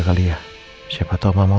wajah ibu pucat banget ibu